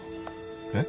えっ？